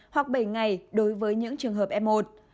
hoặc bảy ngày đối với những trường hợp f một